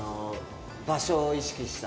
場所を意識した。